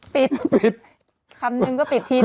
ปิดปิดคำนึงก็ปิดทีนึง